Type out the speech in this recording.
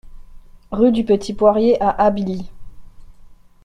Rue du Petit Poirier à Ablis